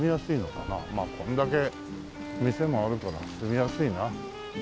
まあこれだけ店もあるから住みやすいな。